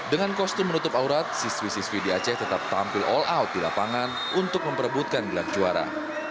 dengan kostum menutup aurat siswi siswi di aceh tetap tampil all out di lapangan untuk memperebutkan gelar juara